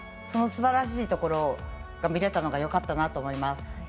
そのすばらしいところが見れたのがよかったなと思います。